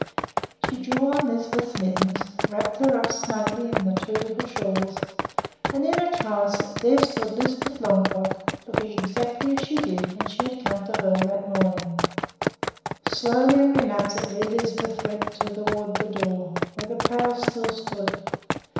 She drew on Lisbeth's mittens, wrapped her up snugly in the two little shawls, and, in a trice, there stood Lisbeth Longfrock looking exactly as she did when she had come to Hoel that morning. Slowly and reluctantly Lisbeth went toward the door, where the pail still stood.